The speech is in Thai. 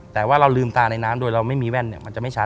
แต่ว่าเราลืมตาในน้ำโดยเราไม่มีแว่นเนี่ยมันจะไม่ชัด